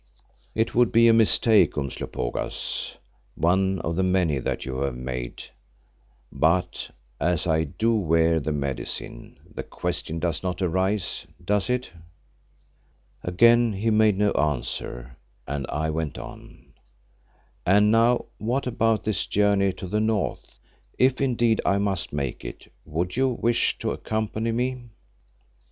"It would be a mistake, Umslopogaas, one of the many that you have made. But as I do wear the Medicine, the question does not arise, does it?" Again he made no answer and I went on, "And now, what about this journey to the north? If indeed I must make it, would you wish to accompany me?"